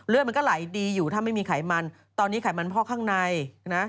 มันก็ไหลดีอยู่ถ้าไม่มีไขมันตอนนี้ไขมันพอกข้างในนะ